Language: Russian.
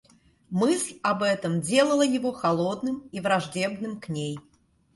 Мысль об этом делала его холодным и враждебным к ней.